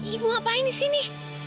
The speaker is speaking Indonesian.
ibu ngapain di sini